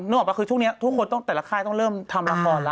ออกปะคือช่วงนี้ทุกคนต้องแต่ละค่ายต้องเริ่มทำละครแล้ว